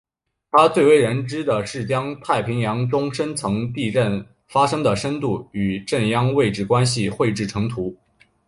他最为人所知的是将太平洋中深层地震发生的深度与震央位置关系绘制成图。